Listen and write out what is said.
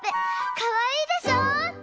かわいいでしょ？